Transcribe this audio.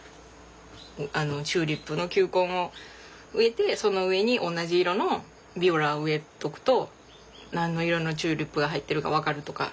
チューリップの球根を植えてその上に同じ色のビオラを植えとくと何の色のチューリップが入ってるか分かるとか。